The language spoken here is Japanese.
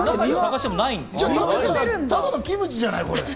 じゃあ、ただのキムチじゃない！